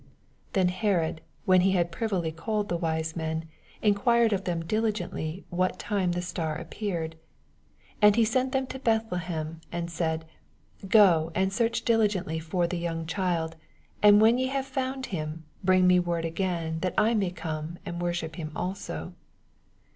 7 Then Herod, when he had privily ealled the wise meoo, enquired of them ap diligently what time the star peared. 8 And he sent them to Bethlehem, and said, Go and search diligentlv for the young child ; and when ye have found Mr/i, bring me word again, that 1 may come and worship him also.